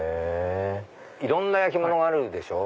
いろんな焼き物があるでしょ。